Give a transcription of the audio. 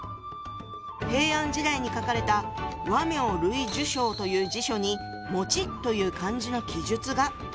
平安時代に書かれた「倭名類聚抄」という辞書に「」という漢字の記述が。